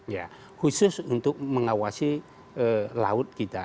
ya khusus untuk mengawasi laut kita